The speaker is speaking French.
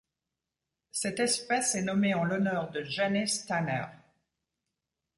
Cette espèce est nommée en l'honneur de Janice Tanner.